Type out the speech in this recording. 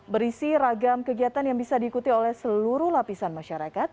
berisi ragam kegiatan yang bisa diikuti oleh seluruh lapisan masyarakat